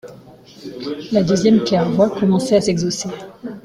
La deuxième claire-voie commençait à s’exhausser.